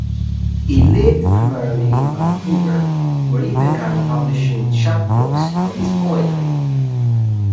He lived primarily in Vancouver, where he began publishing 'chapbooks' of his poetry.